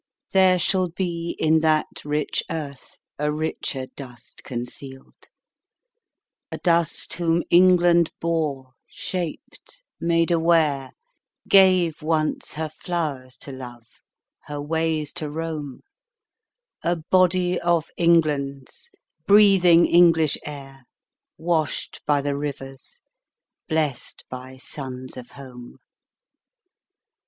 There shall be In that rich earth a richer dust concealed; A dust whom England bore, shaped, made aware, Gave, once, her flowers to love, her ways to roam, A body of England's, breathing English air, Washed by the rivers, blest by suns of home.